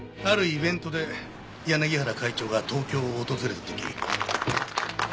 あるイベントで柳原会長が東京を訪れた時。